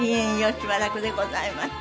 しばらくでございました。